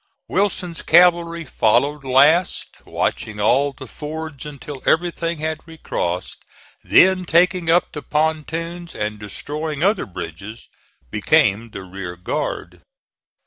Wilson's cavalry followed last, watching all the fords until everything had recrossed; then taking up the pontoons and destroying other bridges, became the rear guard.